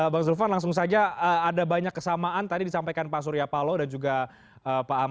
bang zulfan langsung saja ada banyak kesamaan tadi disampaikan pak surya palo dan juga pak ahmad syaiku antara pks dan juga nasdem